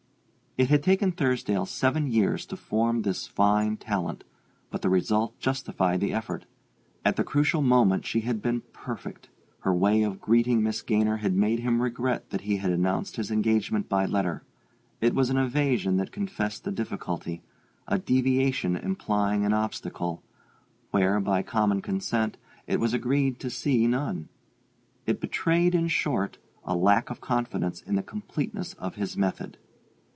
It had taken Thursdale seven years to form this fine talent; but the result justified the effort. At the crucial moment she had been perfect: her way of greeting Miss Gaynor had made him regret that he had announced his engagement by letter. It was an evasion that confessed a difficulty; a deviation implying an obstacle, where, by common consent, it was agreed to see none; it betrayed, in short, a lack of confidence in the completeness of his method.